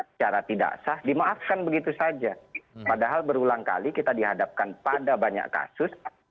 secara tidak sah dimaafkan begitu saja padahal berulang kali kita dihadapkan pada banyak kasus